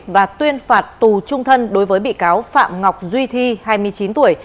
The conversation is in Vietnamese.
và tuyên phạt tù trung thân đối với bị cáo phạm ngọc duy thi hai mươi chín tuổi